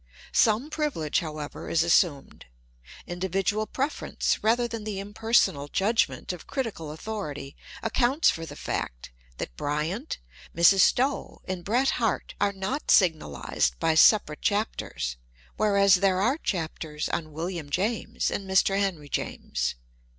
Some privilege, however, is assumed. Individual preference, rather than the impersonal judgment of critical Authority, accounts for the fact that Bryant, Mrs. Stowe, and Bret Harte are not signalized by separate chapters, whereas there are chapters on William James and Mr. Henry James.